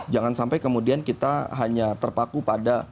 jangan sampai kemudian kita hanya terpaku pada